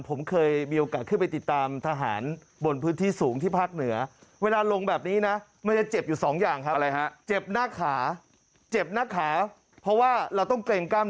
เจ็บปลายเล็บที่รองเท้าคือเราจะต้อง